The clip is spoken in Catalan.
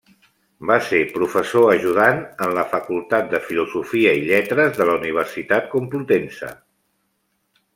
Va ser professor ajudant en la Facultat de Filosofia i Lletres de la Universitat Complutense.